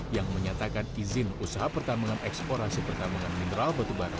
yang menyatakan izin usaha pertambangan eksplorasi pertambangan mineral batubara